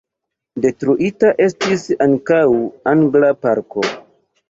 Detruita estis ankaŭ angla parko.